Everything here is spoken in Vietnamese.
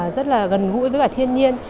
rất là gần gũi với cả thiên nhiên